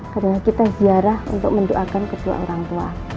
karena kita ziarah untuk mendoakan kedua orang tua